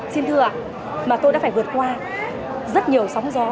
xin thưa mà tôi đã phải vượt qua rất nhiều sóng gió